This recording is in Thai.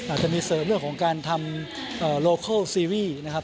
อาจจะมีเสริมเรื่องของการทำโลเคิลซีรีส์นะครับ